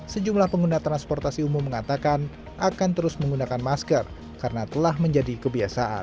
sejumlah pengguna transportasi umum mengatakan akan terus menggunakan masker karena telah menjadi kebiasaan